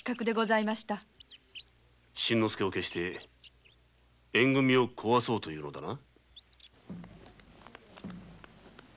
真之介を消して縁組をこわそうというのだな。